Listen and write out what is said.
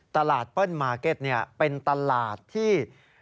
เปิ้ลมาร์เก็ตเป็นตลาดที่